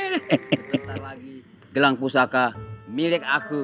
sebentar lagi gelang pusaka milik aku